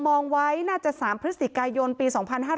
มองไว้น่าจะสามพฤษฐิกายนปี๒๕๖๖